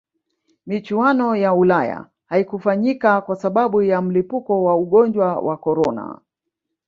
michuano ya ulaya haikufanyika kwa sababu ya mlipuko wa ugonjwa wa corona